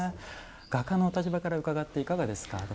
画家のお立場から伺っていかがですか？